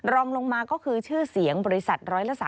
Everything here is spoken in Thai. รองลงมาก็คือชื่อเสียงบริษัท๑๓